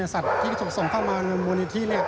สัตว์ที่ส่งมาในมูลนิธิ